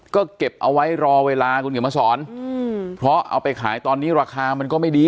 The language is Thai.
ก็เก็บเอาไว้รอเวลาคุณเขียนมาสอนเพราะเอาไปขายตอนนี้ราคามันก็ไม่ดี